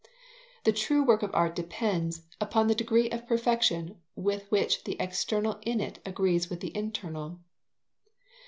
The true work of art depends upon the degree of perfection with which the external in it agrees with the internal.